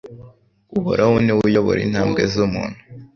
Uhoraho ni we uyobora intambwe z’umuntu